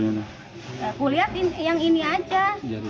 aku lihat yang ini aja